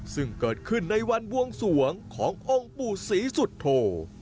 ซึ่งเกิดขึ้นในวันบวงสวงขององค์ปู่ศรีสุโธ